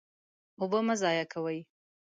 اوبه مه ضایع کوئ.